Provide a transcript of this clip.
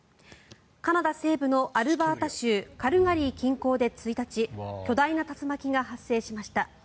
カナダ西部のアルバータ州カルガリー近郊で１日巨大な竜巻が発生しました。